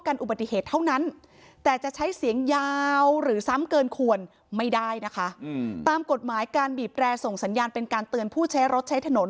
การบีบแรกส่งสัญญาณเป็นการเตือนผู้ใช้รถใช้ถนน